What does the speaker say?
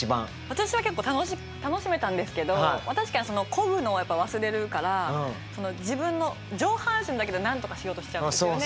私は結構楽しめたんですけど確かにこぐのはやっぱ忘れるから自分の上半身だけでなんとかしようとしちゃうんですよね。